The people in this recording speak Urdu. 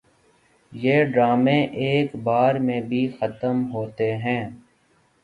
یہ ڈرامے ایک بار میں بھی ختم ہوتے ہیں